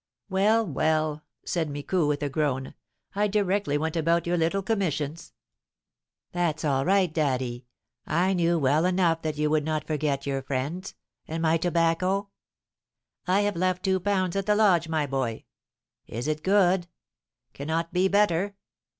"Well, well," said Micou, with a groan, "I directly went about your little commissions." "That's all right, daddy. I knew well enough that you would not forget your friends. And my tobacco?" "I have left two pounds at the lodge, my boy." "Is it good?" "Cannot be better."